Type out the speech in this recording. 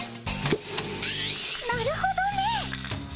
なるほどね。